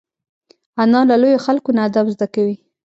انا له لویو خلکو نه ادب زده کوي